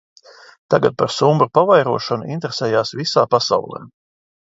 Tagad par sumbru pavairošanu interesējas visā pasaulē.